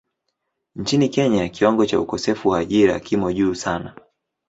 Nchini Kenya kiwango cha ukosefu wa ajira kimo juu sana.